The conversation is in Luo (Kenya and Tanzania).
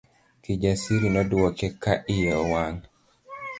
Kijasiri nodwoke ka iye owang'.